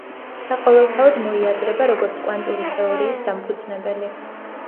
საყოველთაოდ მოიაზრება, როგორც კვანტური თეორიის დამფუძნებელი.